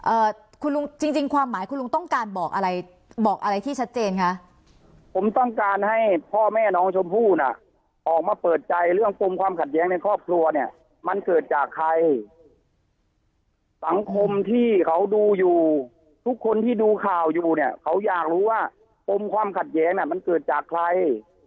เอ่อคุณลุงจริงจริงความหมายคุณลุงต้องการบอกอะไรบอกอะไรที่ชัดเจนคะผมต้องการให้พ่อแม่น้องชมพู่น่ะออกมาเปิดใจเรื่องปมความขัดแย้งในครอบครัวเนี่ยมันเกิดจากใครสังคมที่เขาดูอยู่ทุกคนที่ดูข่าวอยู่เนี่ยเขาอยากรู้ว่าปมความขัดแย้งน่ะมันเกิดจากใคร